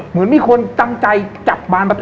เหมือนมีคนจำใจจับบานประตู